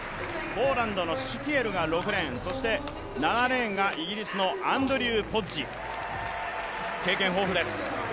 ポーランドのシュキエルが６レーンそして７レーンがイギリスのアンドリュー・ポッジ、経験豊富です。